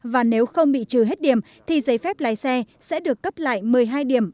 và nếu không bị trừ hết điểm thì giấy phép lái xe sẽ được cấp lại một mươi hai điểm